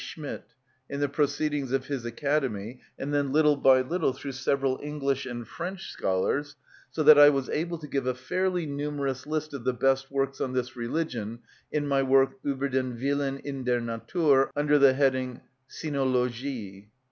Schmidt, in the proceedings of his Academy, and then little by little through several English and French scholars, so that I was able to give a fairly numerous list of the best works on this religion in my work, "Ueber den Willen in der Natur," under the heading Sinologie.